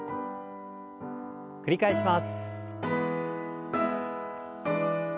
繰り返します。